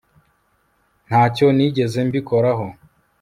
ntacyo nigeze mbikoraho